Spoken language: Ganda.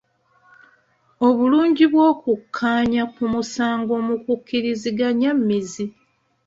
Obulungi bw'okukkaanya ku musango mu kukkiriziganya mmizi.